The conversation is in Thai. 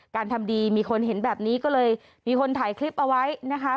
ทำดีมีคนเห็นแบบนี้ก็เลยมีคนถ่ายคลิปเอาไว้นะคะ